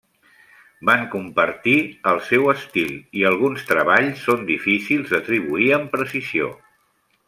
Van compartir el seu estil, i alguns treballs són difícils d'atribuir amb precisió.